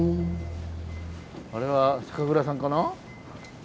あれは酒蔵さんかな？